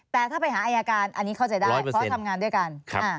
แต่ถ้าไปหาอายการอันนี้เข้าใจได้เพราะทำงานด้วยกัน